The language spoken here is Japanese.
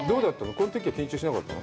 このときは緊張しなかったの？